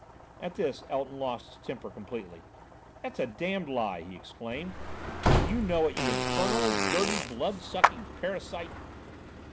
At this Elton lost his temper completely. "That's a damned lie!" he exclaimed, "and you know it, you infernal, dirty, blood sucking parasite."